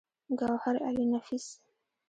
ګوهرعلي نفيس